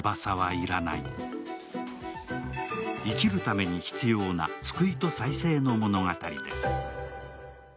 生きるために必要な救いと再生の物語です。